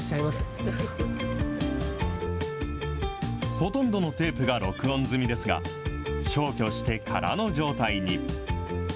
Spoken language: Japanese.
ほとんどのテープが録音済みですが、消去して空の状態に。